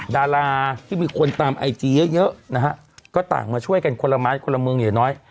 ดาราที่มีคนตามไอจีเยอะนะฮะก็ต่างมาช่วยกันคนละไม้คนละเมืองอย่างน้อย